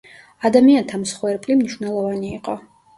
ადამიანთა მსხვერპლი მნიშნვნელოვანი იყო.